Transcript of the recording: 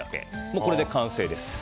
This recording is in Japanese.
もうこれで完成です。